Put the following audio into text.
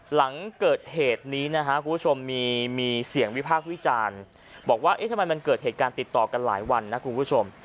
หลังเกิดเหตุนี้นะฮะคุณผู้ชมมีเสียงวิพากษ์วิจารณ์บอกว่าเอ๊ะทำไมมันเกิดเหตุการณ์ติดต่อกันหลายวันนะคุณผู้ชม